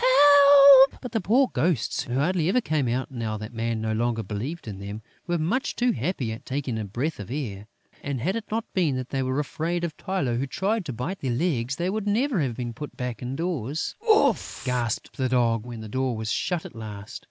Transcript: Help!" But the poor Ghosts, who hardly ever come out now that Man no longer believes in them, were much too happy at taking a breath of air; and, had it not been that they were afraid of Tylô, who tried to bite their legs, they would never have been put back indoors. "Oof!" gasped the Dog, when the door was shut at last.